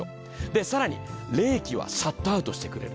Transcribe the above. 更に、冷気はシャットアウトしてくれる。